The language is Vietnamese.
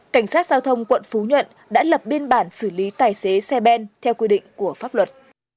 cảnh sát giao thông quận phú nhuận đã lập biên bản xử lý tài xế xe ben theo quy định của pháp luật